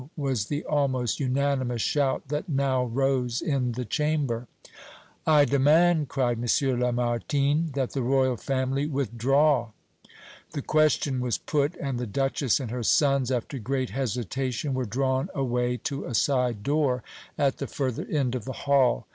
was the almost unanimous shout that now rose in the Chamber. "I demand," cried M. Lamartine, "that the Royal family withdraw!" The question was put, and the Duchess and her sons, after great hesitation, were drawn away to a side door, at the further end of the hall.